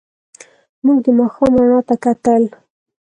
موږ د ماښام رڼا ته کتل.